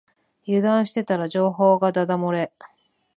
油断してたら情報がだだ漏れ